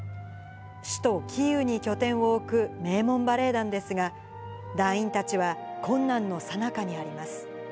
首都キーウに拠点を置く名門バレエ団ですが、団員たちは困難のさなかにあります。